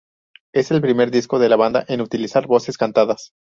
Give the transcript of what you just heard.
Es el primer disco de la banda en utilizar voces cantadas.